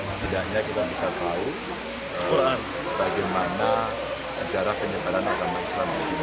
setidaknya kita bisa tahu bagaimana sejarah penyebaran agama islam di sini